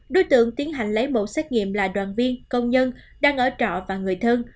đối tượng tiến hành lấy mẫu xét nghiệm là đoàn viên công nhân đang ở trọ và người thân